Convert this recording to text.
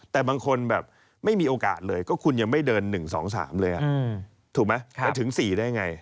แต่บางคนแบบไม่มีโอกาสเลยก็คุณยังไม่เดิน๑๒๓เลยถูกไหมจะถึง๔ได้ไง